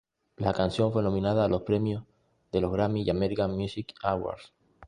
La canción fue nominada a los premios de los Grammy y American Music Awards.